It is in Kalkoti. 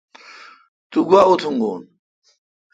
تو گوا اتونگون۔